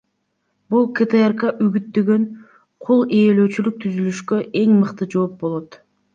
Бул КТРК үгүттөгөн кул ээлөөчүлүк түзүлүшкө эң мыкты жооп болот.